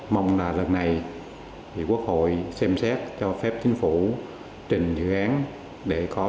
mong là lần này quốc hội xem xét cho phép chính phủ trình dự án để có